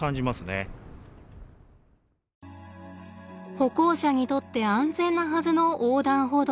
歩行者にとって安全なはずの横断歩道。